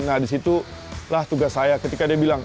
nah disitulah tugas saya ketika dia bilang